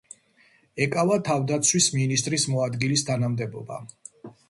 ეკავა თავდაცვის მინისტრის მოადგილის თანამდებობა.